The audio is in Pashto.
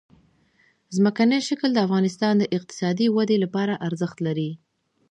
ځمکنی شکل د افغانستان د اقتصادي ودې لپاره ارزښت لري.